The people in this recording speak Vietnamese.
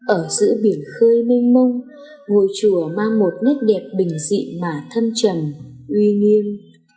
ở giữa biển khơi minh mông ngồi chùa mang một nét đẹp bình dị mà thâm trầm uy nghiêng